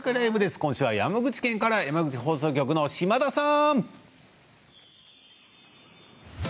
今週は山口県から山口放送局の島田さん。